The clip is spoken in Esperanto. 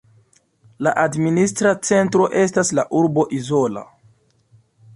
La administra centro estas la urbo Izola.